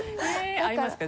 合いますか？